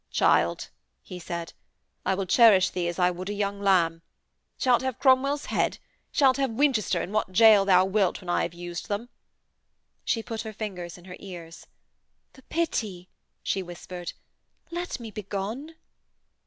'Child,' he said, 'I will cherish thee as I would a young lamb. Shalt have Cromwell's head; shalt have Winchester in what gaol thou wilt when I have used them.' She put her fingers in her ears. 'For pity,' she whispered. 'Let me begone.'